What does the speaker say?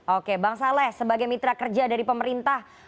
oke bang saleh sebagai mitra kerja dari pemerintah